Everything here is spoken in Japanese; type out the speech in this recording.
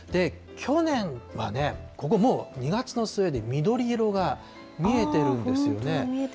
去年はね、ここもう、２月の末で緑色が見えているんですよね。